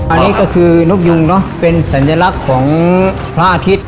อันนี้ก็คือนกยุงเนอะเป็นสัญลักษณ์ของพระอาทิตย์